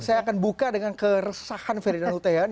saya akan buka dengan keresahan ferdinand huta heian